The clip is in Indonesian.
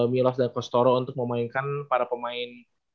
milos dan coach toro untuk memainkan para pemain